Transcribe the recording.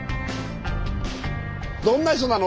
どんな人なの？